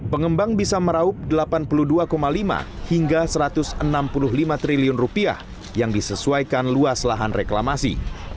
pengembang bisa meraup rp delapan puluh dua lima hingga rp satu ratus enam puluh lima triliun yang disesuaikan luas lahan reklamasi